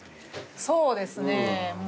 そうですねもう。